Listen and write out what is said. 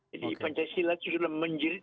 jadi pancasila itu sudah menjerit